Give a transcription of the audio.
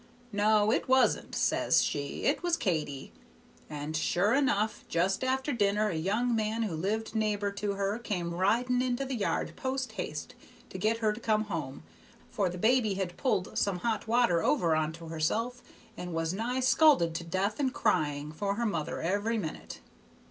'No, it wasn't,' says she, 'it was Katy.' And sure enough, just after dinner a young man who lived neighbor to her come riding into the yard post haste to get her to go home, for the baby had pulled some hot water over on to herself and was nigh scalded to death and cryin' for her mother every minute.